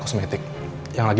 kalau dia ngangplantas